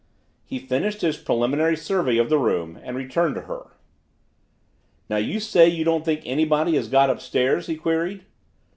He finished his preliminary survey of the room and returned to her. "Now you say you don't think anybody has got upstairs yet?" he queried.